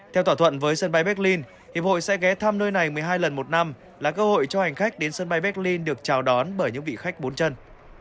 theo thỏa thuận với sân bay berlin hiệp hội sẽ ghé thăm nơi này một mươi hai lần một năm là cơ hội cho hành khách đến sân bay berlin được chào đón bởi những vị khách bốn chân